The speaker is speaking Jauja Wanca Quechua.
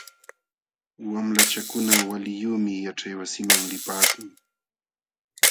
Wamlachakuna waliyuqmi yaćhaywasiman lipaakun.